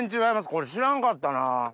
これ知らんかったな。